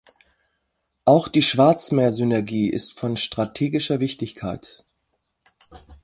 Auch die Schwarzmeersynergie ist von strategischer Wichtigkeit.